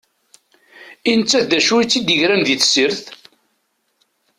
I nettat, d acu i tt-id-igren di tessirt?